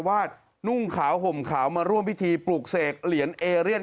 วาดนุ่งขาวห่มขาวมาร่วมพิธีปลูกเสกเหรียญเอเรียน